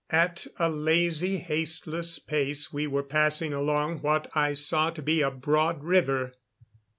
At a lazy hasteless pace, we were passing along what I saw to be a broad river.